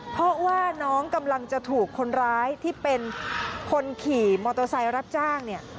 เพราะว่าน้องกำลังจะถูกคนร้ายที่เป็นคนขี่มอเตอร์ไซค์รับจ้างเนี่ย